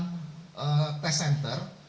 kami hanya memiliki satu fasilitas layanan test center